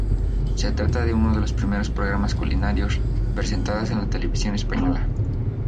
Se trata de uno de los primeros programas culinarios presentadas en la televisión española.